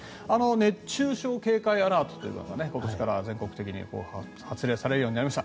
熱中症警戒アラートが今年から全国的に発令されるようになりました。